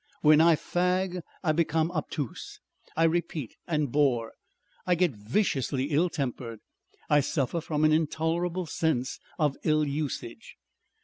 When I fag I become obtuse, I repeat and bore, I get viciously ill tempered, I suffer from an intolerable sense of ill usage.